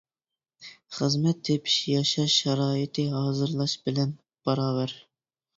خىزمەت تېپىش ياشاش شارائىتى ھازىرلاش بىلەن باراۋەر.